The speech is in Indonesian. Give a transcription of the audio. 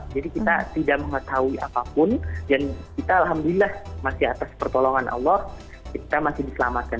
jadi kita tidak mengetahui apapun dan kita alhamdulillah masih atas pertolongan allah kita masih diselamatkan